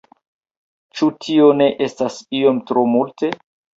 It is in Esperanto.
Ĉu tio ne estas iom tro multe?